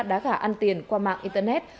đá gà ăn tiền qua mạng internet